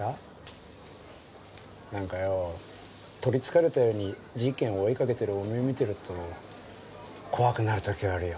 なんかよ取りつかれたように事件を追いかけてるおめえを見てると怖くなる時があるよ。